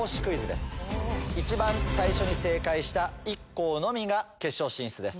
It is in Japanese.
一番最初に正解した１校のみが決勝進出です。